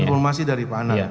informasi dari pak anang